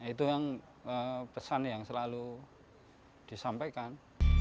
itu yang pesan yang selalu disampaikan